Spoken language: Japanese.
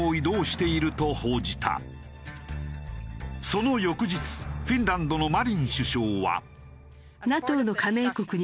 その翌日フィンランドのマリン首相は。